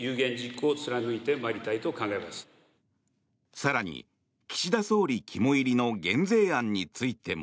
更に、岸田総理肝煎りの減税案についても。